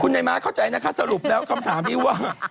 นายม้าเข้าใจนะคะสรุปแล้วคำถามนี้ว่า